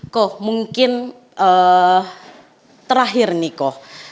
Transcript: ko mungkin terakhir nih ko